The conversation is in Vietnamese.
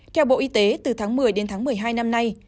theo bộ y tế từ tháng một mươi đến tháng một mươi hai năm nay